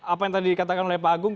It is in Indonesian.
apa yang tadi dikatakan oleh pak agung